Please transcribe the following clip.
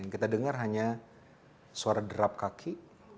kita dengar hanya suara derap kaki